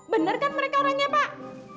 bener kan mereka orangnya pak